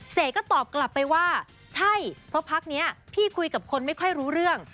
เสกก็ตอบกลับไปว่าใช่เพราะพักนี้พี่คุยกับคนไม่ค่อยรู้เรื่อง